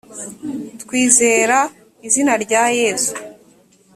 twizera izina rya yezu